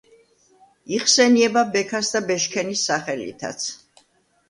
იხსენიება ბექას და ბეშქენის სახელითაც.